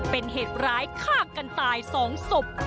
เป็นเหตุร้ายฆ่ากันตาย๒ศพ